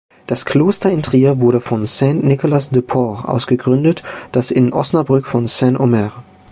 Das Kloster in Trier wurde von Saint-Nicolas-de-Port aus gegründet, das in Osnabrück von Saint-Omer.